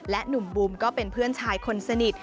หนุ่มบูมก็เป็นเพื่อนชายคนสนิท